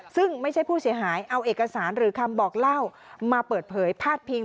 ซึ่งไม่ใช่ผู้เสียหายเอาเอกสารหรือคำบอกเล่ามาเปิดเผยพาดพิง